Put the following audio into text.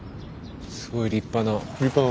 すごい立派な。